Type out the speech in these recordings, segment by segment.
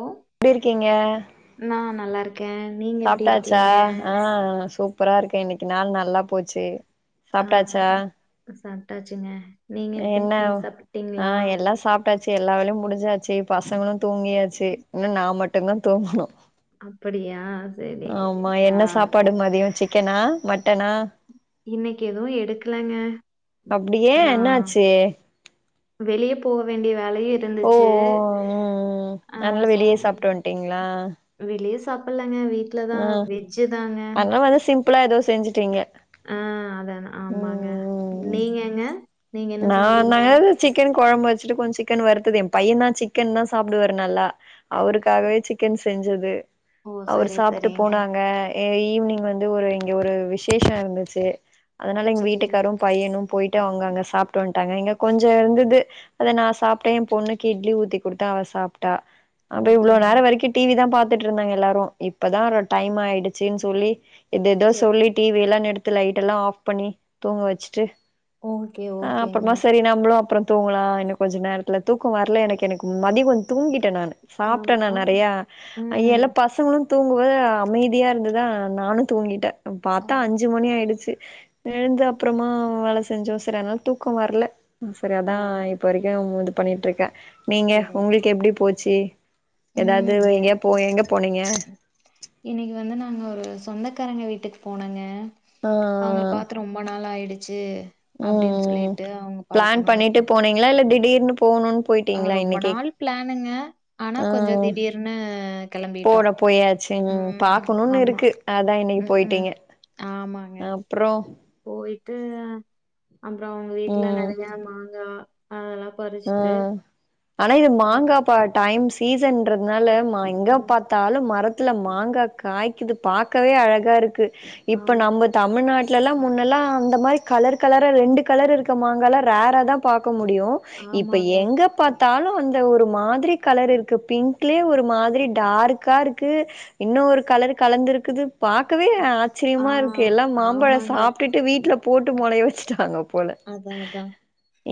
ம் எப்டி இருக்கீங்க நா நல்லா இருக்கே நீங்க எப்டி இருக்கீங்க அ அ சூப் சூப்பரா இருக்கே இன்னைக்கு நாள் நல்லா போச்சு அ சாப்ட்டாச்சா அ சாப்ட்டாச்சுங்க நீங்க எப்டி என்ன நீ ஆ சாப்ட்டீங்களா எல்லா சாப்ட்டாச்சு எல்லா வேலயு முடிச்சாச்சு பசங்களு தூங்கியாச்சு இன்னு நா மட்டும்தா தூங்கணு அப்படியா சரி ஆமா ஆ என்ன ஓகே சாப்பாடு மதியோ சிக்கனா மட்டனா இன்னைக்கு எதுவு எடுக்கலங்க அப்டி ஏ நா என்னாச்சு வெளியே போக வேண்டிய வேலையு ஓ ஓ இருந்துச்சு அ சொ அப்டீங்களா வெளியே சாப்டலாங்க வீட்லதா வெஜ்ஜு தாங்க [unintelligible] அப்பலா ஏதோ செஞ்சுட்டீங்க அ அதேதா ம் ம் ம் நீங்கங்க நீங்க என்ன நா நா செஞ்சீங்க சிக்கன் கொழம்பு வச்சுட்டு கொஞ்சோ சிக்கன் வறுத்தது என் பையன்தா சிக்கன் தா சாப்டுவாரு நல்லா அவருக்காகவே சிக்கன் செஞ்சது ஓ அவரு சரி சாப்ட்டு சரிங்க போனாங்க எ ஈவினிங் வந்து ஒரு இங்க ஒரு விசேஷோ இருந்துச்சு அதனால எங்க சரி வீட்டுக்காரு பையனு போயிட்டு அவுங்க அங்க சாப்ட்டு வன்ட்டாங்க இங்க கொஞ்சோ இருந்தது அத நா சாப்ட்டே ஏ பொண்ணுக்கு இட்லி ஊத்தி குடுத்தே அவ சாப்ட்டா அப்ப இவ்ளோ ஓகேங்க நேரோ வரைக்கு டிவி தா பாத்துட்டு இருந்தாங்க எல்லாரு இப்பதா டைம் ஆயிடுச்சுன்னு சொல்லி ஏதோ ஏதோ சரி சொல்லி டிவி எல்லா நிறுத்து லைட் எல்லா ஆஃப் பண்ணி தூங்க வச்சுட்டு ஓகே அ ஓகேங்க அப்றமா சரி நம்மளு அப்றோ தூங்கலா இன்னு கொஞ்சோ நேரத்துல தூக்கோ வரல எனக்கு எனக்கு மதியோ தூங்கிட்டே நானு ஆமா சாப்ட்டேனா ஆமா நெறையா எல்லா ம் பசங்களு தூங்க அமைதியா இருந்ததா நானு தூங்கிட்டே ஓ பாத்தா அஞ்சு மணி ஆயிடுச்சு எழுந்து அப்பறமா வேல செஞ்சோ சரி அதனால தூக்கோ வரல சரி ஓ அதா இப்ப வரைக்கு ஒங்கட்ட பண்ணிட்டு இருக்கே நீங்க சரி உங்களுக்கு எப்டி போச்சு ம் ஏதாவது இங்க எங்கயா போ எங்க போனீங்க இன்னைக்கு வந்து நாங்க ஒரு சொந்தக்காரங்க வீட்டுக்கு போனோங்க ஆ அவுங்கள பாத்து ரொம்ப ரொம்ப நாள் ஆயிடுச்சு ம் அப்படின்னு ம் சொல்லிட்டு அவங்க ப்ளான் பண்ணிட்டு பாக்கணும்ட்டு போனீங்களா இல்ல திடீர்னு போணுன் ஆ ரொம்ப நாள் ப்ளானுங்க ஆனா கொஞ்சோ ஆ திடீர்னு கெளம்பிட்டோ சரி பாக்கணும்னு இருக்கு அதா இன்னைக்கு ம் ம் போயிட்டீங்க ஆமாங்க அப்றோ போயிட்டு அங்க அவுங்க வீட்ல ம் நெறையா மாங்கா அதெல்லா பறிச்சிட்டு ம் ஆனா இது மாங்கா பா டைம் சீசன்றதுனால மா எங்க ம் பாத் தாலு மரத்துல மாங்கா காய்க்குது பாக்கவே அழகா இருக்கு இப்ப ஆமா நம்ம தமிழ்நாட்லல முன்னெல்லா அந்த மாரி கலர் கலரா ரெண்டு கலர் இருக்கற மாங்காலா ரேராதா பாக்க முடியு இப்ப ஆமாங்க எங்க பாத் தாலு அந்த ஒரு மாதிரி கலர் இருக்கு பிங்க்லயே ஒரு மாதிரி டார்க்கா இருக்கு இன்னொரு கலரு கலந்திருக்குது பாக்கவே ஆ ஆச்சிரியமா இருக்கு எல்லா மாம்பழோ ஆமாங்க சாப்டுட்டு வீட்டுல போட்டு முளைய வச்சுட்டாங்க போல அத அத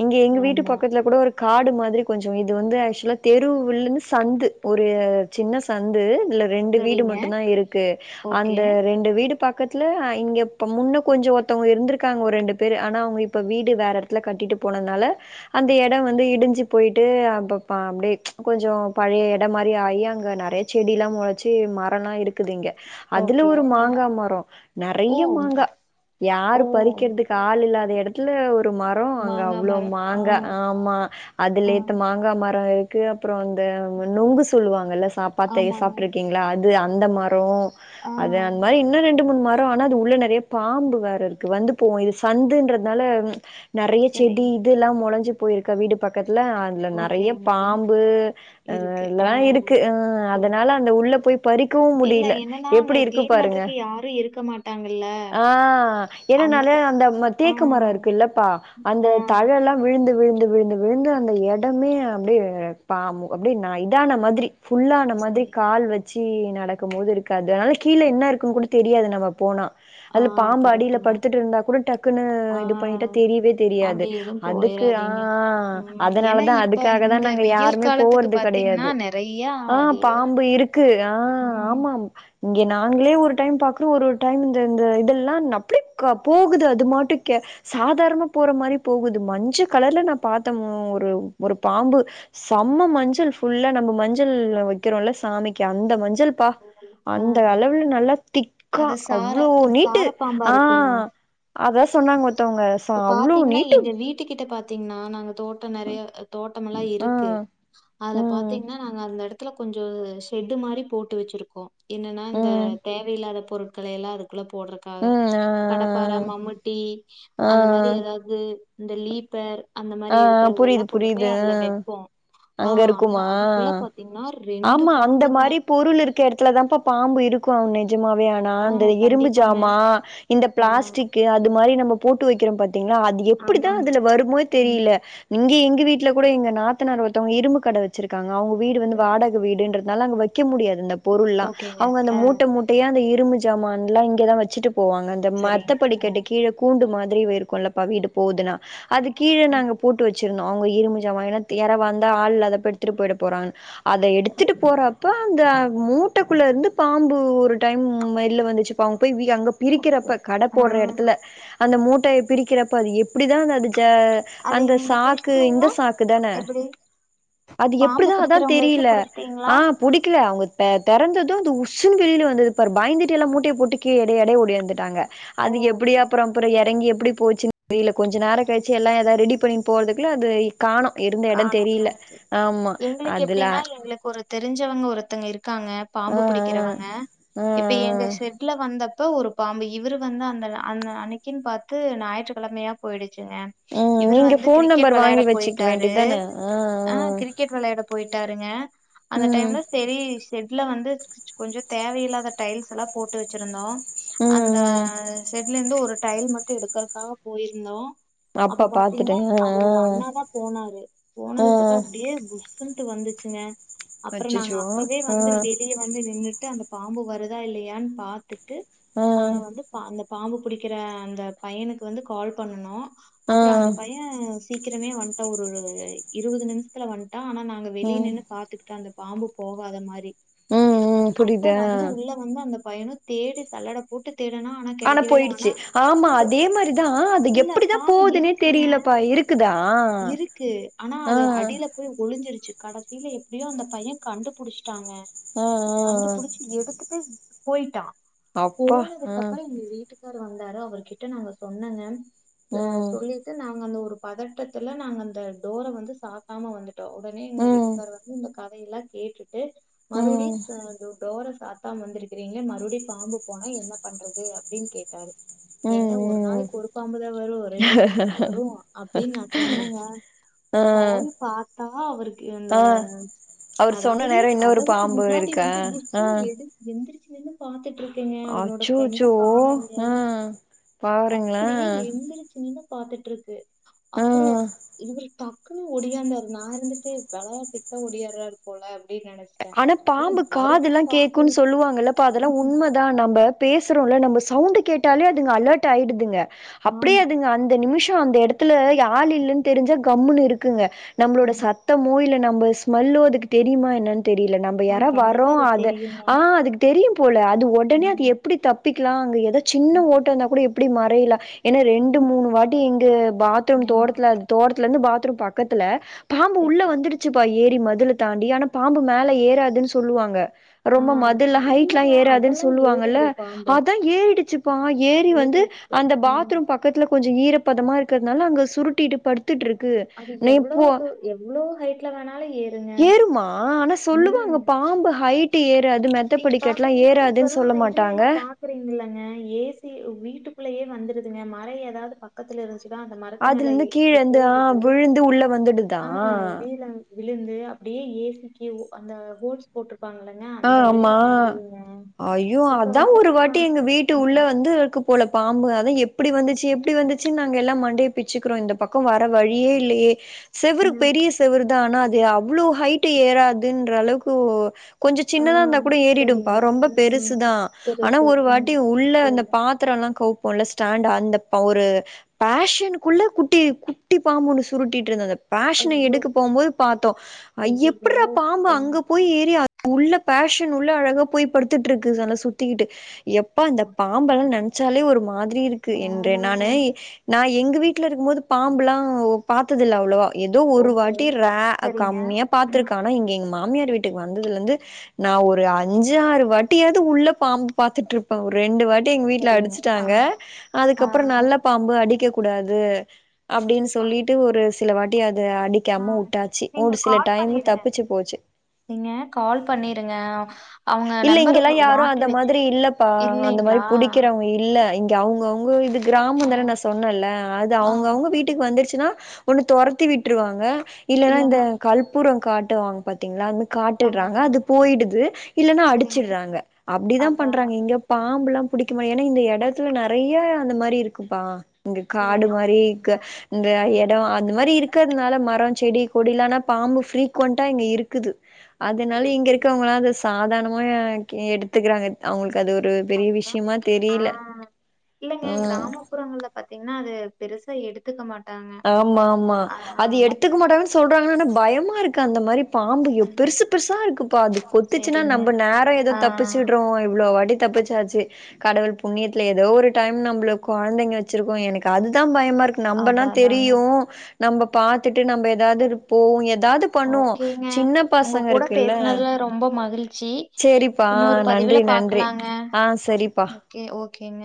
இங்க எங்க வீட்டுப் பக் த்ல கூட ஒரு காடு மாதிரி கொஞ்சோ இது வந்து ஆக்சுவலா தெருவில்ந்து சந்து ஒரு சின்ன சந்து இதுல ரெண்டு வீடு சரிங்க மட்டு தா இருக்கு ஓகே அந்த ரெண்டு வீடு பக்கத்துல ஆ இங்க இப்ப முன்ன கொஞ்சோ ஒருத்தவுங்க இருந்திருக்காங்க ஒரு ரெண்டு பேரு ஆனா அவுங்க இப்ப வீடு வேற துல கட்டிட்டு போனதுனால அந்த எட வந்து இடிஞ்சு போய்ட்டு அப்பப்ப அப்டியே கொஞ்சோ பழைய எடோ மாரி ஆகி அங்க நெறை செடிெல்லா மொளச்சு மரல்லா இடுக் இருக்குது இங்க அதுல ஒரு ஓகேங்க மாங்காய மரோ ஓ நெறைய மாங்கா ஓ யாரு பறிக்கிறதுக்கு ஆள் இல்லாத எடத்துல ஒரு மரோ அங்க மாங்காய் அவ்ளோ மரம் ஆ மாங்கா ஆமா ஆ அதுலேத்த மாங்கா மரோ இருக்கு அப்றோ இந்த நுங்கு சொல்லுவாங்கல்ல சாப் பாத்தே ஆமாங்க சாப்ட்டுருக்கீங்களா அது அந்த மரோ ஆ அது அந்த மாரி இன்னு ரெண்டு மூணு மர் ஆனா அது உள்ள நெறைய பாம்பு வேற இருக்கு வந்து போவு இது சந்துன்றதுனால நெறையா சரி செடி இதுல்லா முளைஞ்சி போயிருக்கா வீடு பக்கத்துல அது இதுல நெறைய ஓகேங்க பாம்பு ஆ இருக்கு ஆ இதெல்லா இருக்கு ஆ புரியுது அதுனால அந்த உள்ள போய் பறிக்கவு இல்ல முடில என்னன்னா அங்க எப்டி இருக்கு க்ளீன் பாருங்க பண்றதுக்கு யாரும் இருக்க மாட்டாங்கல்ல ஆ அந்த இதுனால க- அந்த ஆ தேக்கு மரோ இருக்கு இல்லப்பா அந்த ஆ தழெல்லா விழுந்து விழுந்து விழுந்து விழுந்து அந்த இடமே அப்டியே ப அப்டி இதான மாதிரி ஃபுல்லா ஆனா மாதிரி சரி கால் வச் சி நடக்கு போது இருக்காது அதுனால கீழே என்ன இருக்குன்னு கூட தெரியாது நம்ம போனா ஆ அதுல பாம்பு அடில கரெக்ட்டுங்க படுத்துட்டு இருந்தா கூட டக்குன்னு இது பண்ணிட்டா தெரியவே தெரியாது எதுவு அதுக்கு ஆ போயிராதீங்க ம் ஏன்னா அதனாலதா இப்ப அதுக்காகதா இந்த நாங்க வெயில் யாருமே காலத்துக்கு போறது கெடையாது பாத்தீங்கன்னா நெறையா அப்டியே க்கு ஆ ஆமாம் இங்க நாங்களே ஒரு டைம் பாக்குறோ ஒரு ஒரு டைம் இந்த இந்த இதெல்லா அப்டி போகுது அது மட்டுக்கே சாதாரணமா போற மாரி போகுது மஞ்ச கலர்ல நா பாத்தே ஒரு ஒரு பாம்பு செம்ம மஞ்சள் ஃபுல்லா நம்ம மஞ்சள் வைக்கிறோல்ல சாமிக்கி அந்த மஞ்சள் ப்பா அந்த ஆ அளவுல நல்லா திக்கா அது சார அவ்ளோ நீட்டு சார பாம்பா ஆ இருக்குங்க. அதா சொன்னாங்க ஒருத்தவுங்க இப்ப பாத்தீங்கன்னா எங்க வீட்டு கிட்ட பாத் பா்த்தீங்கன்னா நாங்க தோட்டோ நெறையா தோட்டம் எல்லா ஆ இருக்கு அதுல ம் பாத்தீங்கன்னா நாங்க அந்த எடத் துல கொஞ்சோ ஷெட்டு மாரி போட்டு வச்சிருக்கோ என்னன்னா இந்த ம் தேவையில்லாத பொருட்கள எல்லா அதுக் க்குள்ள ம் போடுறக்காக ஆ கடப்பாறை மம்முட்டி ஆ அந்த மாதிரி ஏதாவது இந்த லீப்பர் அந்த ஆ மாரி இருக்கதெல்லா புரியுது கொண்டு புரியுது போய் அதுல வைப்போ ஆ அங்க அந்த இருக்குமா அதுக்குள்ள பாத்தீங்கன்னா ரெண்டு ஆமா அந்த பாம்புங்க மாரி பொருள் இருக்க இடத்துல தாப்பா இ பாம்பு இருக்கு நிஜமாவே நா ஆ அந்த இறும்பு கண்டிப்பாங்க. ஜாமா இந்த ஆ பிளாஸ்டிக் அது எஸ் மாரி நம்ம போட்டு வைக்கிறோ பாத்தீங்கன்னா அதிக எப்டிதா ஆமாங்க. அதுல வருமோ ம். தெரியல இங்க எங்க வீட்டுல கூட எங்க நாத்தனார் ஒருத்தவங்க இரும்பு கட வ வச்சிருக்காங்க அவுங்க வீடு வந்து சரி. வாடக வீடுங்கறதுனால அங்க வைக்க முடியாது இந்த பொருளா ஓகேங்க. அவுங்க அந்த ஆ. மூட்ட மூடுச்சு போய் அந்த இரும்பு ஜாமான்லா இங்கேதா வச்சிட்டு போவாங்க அந்த மத்த சரிங்க. ஆ. படிக்கட்டு கீழ கூண்டு மாதிரிவே இருக்குல்ல பவி இது போதுனா அது கீழே ஓகே, நாங்க போட்டு வச்சு வச்சிருந்தோ அவுங்க இரும்பு ஜாமான் வாங்குனா தேரமாருந்தா ஆளில்லாதப்ப எடுத்துட்டு போயிடப் போறாங்கன்னு அத எடுத்துட்டு ஓகே, போறப்ப அந்த மூட்டக்குள்ளர்ந்து பாம்பு ஒரு டைம் வெள்ல வந்துச்சு அப்ப அவுங் போய் வீகப் அங்க ஓகே. பிரிக்கிறப்ப கட ஆ போடுற எடத்துல அந்த மூட்டையப் பிரிக்கிறப்ப அது எப்புடிதா அத அடிச் ச அதை அந்த சாக்கு இந்த நீங்க சாக்கு இந்த புடிச்சிட்டீங்களா? சாக்கு தான எப்டி? அது பாம்பு எப்புடிதா அதா புடிக்கிறவங்கள வச்சு தெரியில புடிச்சிட்டீங்களா? ஆ புடிக்ல அவங்க தெ தெறந்தது ந்த உஸ்ஸுன்னு வெளியில வந்ததுப் பாரு பயந்துட்டு எல்லா மூட்டைய போட்டுக் கீ எடைய எடைய ஓடி வந்துட்டாங்க அதுக் எப்பிடியே ஓகே. அப்பற அப்பற எறங்கி எப்பிடி போச்சுன்னு தெரியில கொஞ்சொ நேர கெழிச்சு எல்லா ஏதா ரெடி பண்ணி போற்துக்குள்ள அது காணோ இருந்த எடம் காணோம். தெரியில ஆம்மா அதுல்ல எங்களுக் ஒரு தெரிஞ்சவங்க ஒருத்தங்க இருக்காங்க பாம்பு ஆ ஆ புடிக்கிறவங்க ஆ இப்ப எங்க செட் ட்ல வந்தப்ப ஒரு பாம்பு இவுரு வந்து அந்த அந்த அன்னைக்குன் பாத்து ஞாயிற்றுக்கிழமையா பொய்டுச்சுங்க ஆ ம் இவுரு நீங்க வந்து ஃபோன் கிரிக்கெட் நம்பர் வெளையாட வாங்கி பொயிட் வச்சுக்க டாரு வேண்டிதான ஆ கிரிக்கெட் வெளையாட போயிட்டாருங்க ஆ அந்த ம் டைம்ல செரி ஷெட்ல வந்து ச் கொஞ்சொ தேவயில்லாத டைல்ஸ்எல்லா போட்டு வச்சுருந்தோ ம் அந்த ம் ஷெட்லருந்து ஒரு டைல் மட்டு எடுக்கிறதுக்காக போய்ருந்தோ அப்ப பாத்துட்டே பாத்தீங்கன்னாய் ஆ ஆ அவுரூட அண்ணா தா போனாரு போனது ஆ பாத்தா அப்பிடியே புஷ்ஷுன்ட்டு வந்துச்சுங்க அப்பற நாங்க அச்சச்சோ அப்பவே ஆ வந்து வெளிய வந்து நின்னுட்டு அந்த பாம்பு வருதா இல்லையான் பாத்து ட்டு ஆ நாங்க வந்து பா அந்த பாம்பு புடிக்கிற அந்த பையனுக்கு வந்து கால் பண்ணுனோ ஆ அப்பற அந்த பையெ சீக்கிரமே வன்ட்டா ஒரு இருவது இருவது நிம்ஷத்துல வன்ட்டா அனா நாங்க வெளில ம் நின்னு பாத்துக்கிட்டா அந்த பாம்பு போவாத மாரி ம் ம் அப்ப புரியுது ஆ வந்து உள்ள வந்து அந்த பையனு தேடி சல்லடப் போட்டு தேடுனா ஆனா கெடைக்கவேல்ல ஆனா போயிடுச்சு ஆமா கோ அதே மாரிதா அது இல்ல பாம்பு இருக்குங்க க்குதா இருக்கு ஆனா அது அடில போய் ஒளிஞ்சிருச்சு கடைசில எப்டியோ அந்தப் பையே கண்டுபுடிச்ட்டாங்க ஆ ஆ கண்டுபுடிச் எடுத்துட்டு போயிட்டா அப்பா ஆ போனதுக்கப்பற இந்த வீட்டுக் கரு வந்தாரு அவரு கிட்ட நாங்க சொன்னேங்க அ ம் சொல்லிட்டு நாங்க அந்த ஒரு பதட்டத் தெர்ல நாங்க அந்த டோர வந்து சாத்தாம வந்துட்டோ உடனே எங்க ம் வீட்டுக்காரர் வந்து இந்த கதையெல்லா கேட்டுட்டு மறுபுடிய் ம் டோர சாத்தாம வந்திருக்கிறீங்களே மறுபடியு பாம்பு போனா என்ன பண்றது அப்டின்னு கேட்டாரு ம் ஏங்க ஒரு ம் நாளைக்க ஒரு பாம்புதா வரு ரெண்டு பாம்பா வரு அப்பின்னு நா சொன்னெங்க ஆ போய் பாத்தா அவருக்கு இந்த ஆ அவர் சொன்ன அதாவுது நேரோ இன்னொரு கதவுக்கு பாம்பு முன்னாடி இருக்கா வந்து ஆ புஸ்ஸுன்னு எடு எந்திரிச்சு நின்னு பார்த்துட்ருக்கெங்க அதனோட அச்சோச்சோ ஃப்ரெண்டக் காணோன்னு ஆ பாருங்களே அப்புடியே எந்துருச் நின்னு பாத்துட்டுருக்கு அப்புற ஆ இவுர் டக்குன்னு ஒடியாந்தாரு நா இருந்துட்டு வெளையாட்டுக்கு தா ஒடியாறாரு பொல அப்டின்னு நென அனா பாம்பு காதுல்லா கேக்குன்னு சொல்லுவாங்கல்லப்பா இருக்கா அதல்லா உண்ம தா நம்ப பேசுறோல்ல நம்ப சவுண்டு கேட்டாலே அதுங்க அலர்ட் ஆயிடுதுங்க அப்டே ஆமா அதுங்க அந்த நிமிஷொ அந்த எடத்துல ய ஆள் இல்லன்னு தெரிஞ்ச கம்முன்னு இருக்குங்க நம்ப்ளோட ஆமா சத்தமோ இல்ல நம்ம ஸ்மெல்லோ அதுக்கு தெரியுமா என்னன் தெரியில நம்ப் இப்ப ஆ யாரா கண்டிப்பா வர்றோ அது தெரியுங்க ஆ அதுக் தெரியும் போல அது ஒடனே அது ம், எப்பிடி தப்பிக்கலா அங்க ஏதாது சின்ன ஓட்ட இருந்தா கூட எப்பிடி மறையலா ஏனா ரெண்டு ம், மூணு வாட்டி இங்க ஆ பாத்ரூம் தோட்டத்துல தோட்டத்துலருந்து பாத்ரூம் பக்கத்துல பாம்பு உள்ள சரிங்க வந்துடுச்சுப்பா ஏறி மதுல தாண்டி அனா பாம்பு மேல ஏறாதுன் சொல்லுவாங்க ஆ ரொம்ப மதுல்ல அ- ஹைட்ல்லா இல்லைங்க ஏறாதுன் அதெல்லாம் சொல்லுவாங்கல்ல ஏறிடும் பாம்பு அதா ஏறிடுச்சுப்பா ஏறி வந்து ஏறிடுச்சு அந்த பாத்ரூம் பக் பக்கத்ல கொஞ்சொ ஈரப்பதமா இருக்கற்த்னால அங்க சுருட்டிட்டு படுத் டுட்டுருக்கு அது நீ இப்போ எவ்வளவு தூ- எவ்வளவு ஹைட்ல வேணாலும் ஏறுங்க ஏறுமா ஆ ஆனா சொல்லுவாங்க ம் பாம்பு ஹைட்டு ஏறாது மெத்த நீங்க படிக்கட்டலா ஏறாதுன்னு சொல்ல மாட்டாங்க அப்டில்லங்க ஏசி வீட்டுக்குள்ளயே வந்துருதுங்க மர ஏதாவது பக்கத்துல இருந் து அந்த மரத்து மேல அதுலருந்து கீழ ஏறி இருந்து ஆ போகுது விழுந்து உள்ள வந்துடுதா? ஆ வீல விழுந்து அப்டியே ஏசிக்கு அந்த ஹோல்ஸ் போட்ருப்பாங்கல்லங்க ஆ ஆமா ஐயோ இப்ப அதா வந்து ஒரு நம்ம வாட்டி எங்க வீட்டு உள்ள ம், வந்து போல பாம்பு அதா எப்படி வந்துச்சு எப்டி வந்துச்சு நாங்க எல்லா மண்டைய பிச்சுக்கிறோ இந்த பக்கம் வர வழியே இல்லையே செவரு ம், பெரிய செவரு தா ஆனா அது அவ்ளோ ஹைட் ஏறாதுன்ற அளவுக்கு ஒ கொஞ்ச ஆ சின்னதா இருந்தா கூட ஏறிடும்பா சரிங்க ரொம்ப பெருசு ம் தா ஆனா பெருசு ஒரு ம் வாட்டி உள்ள அந்த இருங்க பா திரோ எல்லா கவுப்போல ஸ்டாண்ட் அந்த பொ ஒரு பேஷனுக்குள்ள குட்டி குட்டி பாம்பு ஒன்னு சுருட்டிட்டு இருந்தது பேஷனை ஐயோ எடுக்க போம்போது பாத்தோ அய் ஐயோ எப்ட்றா பாம்பு ரொம்ப அங்க போய் ஏறிய உள்ள பேஷன் உள்ள அழகா போய் படுத்துட்ருக்கு அதல்ல சுத்திக்கிட்டு எப்பா இந்த பாம்பெல்லா நெனைச் சாலே ஒரு மாதிரி இருக்கு என்ற ஆமாங்க நானு நா எங்க வீட்ல இருக்கும்போது பாம்புலா ஒ பாத்ததில்ல அவ்ளோவா ஏதோ ஒரு ஓகே வாட்டி ரா சரிங்க கம்மியா ம் பாத்திருக்க ஆன இங்க எங்க மாமியார் வீட்டுக்கு வந் ததுல இந்து நா ஒரு அஞ்சு ஆறு வாட்டியாது உள்ள பாம்பு பாத்துட்டு இருப்பே ரெண்டு வாட் டு எங்க வீட்ல சரிங்க ஆ அடிச்சிடாங்க ஆ அதுக்கப்பற நல்ல பாம்பு அடிக்க கூடாது அப்படின்னு சொல்லிட்டு ஒரு சில வாட்டி அத ஆ அடிக்காம வுட்டாச்சு நீங்க ஒரு சில கால் டைமு பண்ணிருங்க தப்பிச்சு போயாச்சி நீங்க கால் பண்ணிருங்க அவங்க இல்ல நம்பர் இங்கெல்லா யாரு வாங்கி அந்த வச்சு மாதிரி இல்லப்பா அந்த மாதிரி இல்லைங்களா புடிக்கிறவங்க இல்ல க அவுங்கவுங்க இது கிராம ஆ தனா நா சொன்னேல அது ஆ அவுங்கவுங்க வீட்டுக்கு வந்துருச்சுனா ஒன்னு தொரத்தி விட்டுருவாங்க இல்லேனா இந்த இல்லன்னா கல்பூரம் காட்டுவாங்க பாத்திங்ளா னு காட்டிடுறாங்க ஆமாங்க அது போயிடுது இல்லேனா சரிங்க அடிச்சிடுறாங்க அப்டிதா அதாங்க பண்றாங்க இங் இங்க பாம்புலா புடிக்க மாட் ஏன்னா இந்த எடத்துல புடிக்கும் நெறிய அந்த மாதிரி இருக்குப்பா இங்கு சரி காடு மாரி இக்கு ஓகேங்க இந்த எட ம் இந்த மாரி இருக்கிறதுனால மரோ செடி கொடிலனா பாம்பு ப்ரீக்குவண்டா இங்க இருக்குது அதனால சரி இங்க இருக்கவங்களா அத சாதணமா எடுத்துக்கிறாங்க அவங்களுக்கு அது ஒரு பெரிய அப்புறம் விஷயமா தெரியல ம் புறங்கள்ல பாத்தீங்ன்னா அது பெருசா எடு ஆமா ஆமா ஆ. அது எடுத்துக்க மாட்டாங்கன்னு சொல்றாங்க ஆனா பயமா இருக்கு அந்த மாரி பாம்பு பெருசு பெருசா இருக்குப்பா அது கொத்துச்சுன்னா சரிங்க நம்ம நேர ஏதோ ஆ தப்பிச்சுடுறோ இவ்ளோ வாட்டி தப்பிச் தாச்சு கடவுள் புண்ணியத்துல ஏதோ ஒரு டைம் நம்பள கொழந்தைங்க வச்சிருக்கோ எனக்கு அதுதா பயமா இருக் நம்மனா அதா அதாங்க தெரியு நம்ம பாத்துட்டு நம்ம எதாவது இருப்போ எதாது ஓகேங்க உங்க கூட பேசனதுல ரொம்ப மகிழ்ச்சி சேரிப்பா இன்னொரு பதிவுல நன்றி நன்றி பாக்கலாங்க ஆ சரிப்பா ஓகே ஓகேங்க